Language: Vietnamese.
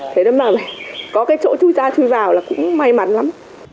thế đó mà có cái chỗ chui ra chui vào là cũng may mắn lắm